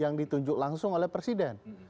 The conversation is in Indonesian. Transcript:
yang ditunjuk langsung oleh presiden